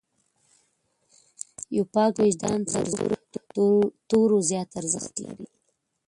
یو پاک وجدان تر زرو تورو زیات ارزښت لري.